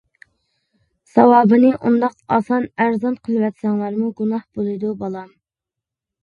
ساۋابنى ئۇنداق ئاسان، ئەرزان قىلىۋەتسەڭلارمۇ گۇناھ بولىدۇ، بالام.